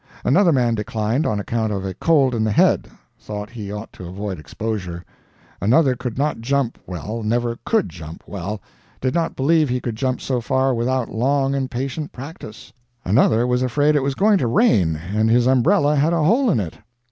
Another man declined on account of a cold in the head; thought he ought to avoid exposure. Another could not jump well never COULD jump well did not believe he could jump so far without long and patient practice. Another was afraid it was going to rain, and his umbrella had a hole in it.